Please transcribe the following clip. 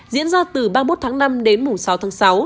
diễn ra từ ba mươi một tháng năm đến mùng sáu tháng sáu